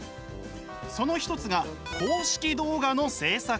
その一つが公式動画の制作。